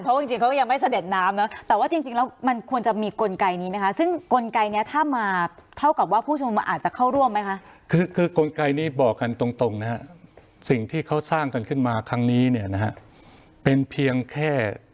พลมเช็ดเท้าให้คุณประยุทธ์อ่ะโอ้โหทำไมอ่ะค่ะทำไมขนาดนั้นค่ะ